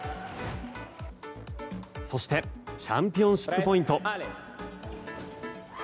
そしてチャンピオンシップポイント。